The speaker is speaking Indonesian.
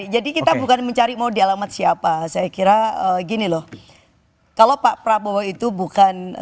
jadi kita bukan mencari mau dialamat siapa saya kira gini loh kalau pak prabowo itu bukan